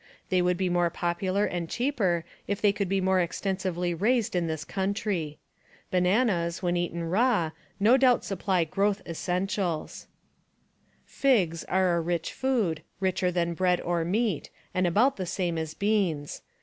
They would be more popular and cheaper if they could be more extensively raised in this country. Bananas, when eaten raw, no doubt supply growth essentials. Figs are a rich food, richer than bread or meat, and about the same as beans.